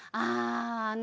ああ。